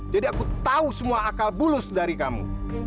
jadi aku tahu semua akal bulus dari kamu